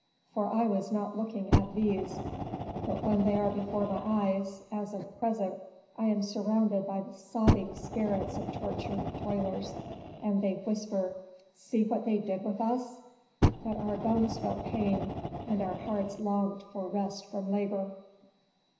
"For I was not looking at these. But when they are before my eyes, as at present, I am surrounded by the sobbing spirits of tortured toilers, and they whisper, 'See what they did with us! But our bones felt pain, and our hearts longed for rest from labor.'"